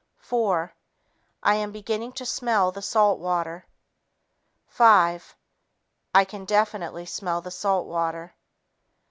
Four ... I am beginning to smell the salt water. Five ... I can definitely smell the salt water."